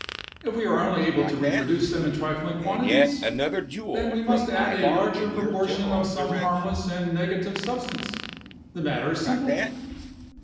If we are only able to reproduce them in trifling quantities, then we must add a larger proportion of some harmless and negative substance. The matter is simple."